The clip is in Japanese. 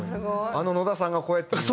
あの野田さんがこうやって言った。